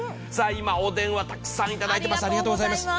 今、お電話たくさんいただいております。